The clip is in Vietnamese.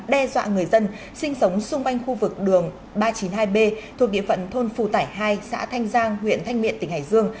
đe dọa người dân sinh sống xung quanh khu vực đường ba trăm chín mươi hai b thuộc địa phận thôn phù tải hai xã thanh giang huyện thanh miện tỉnh hải dương